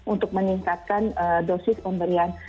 untuk meningkatkan dosis pemberian